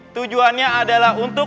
tujuannya adalah untuk